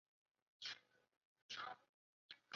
在场上的位置是前锋。